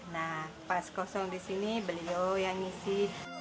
nah pas kosong di sini beliau yang ngisi